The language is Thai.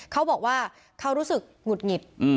เขาบอกว่าเขารู้สึกหงุดหงิด